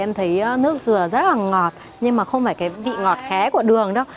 em thấy nước dừa rất là ngọt nhưng mà không phải cái vị ngọt khé của đường đâu